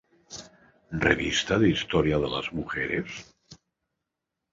Revista de Historia de las Mujeres?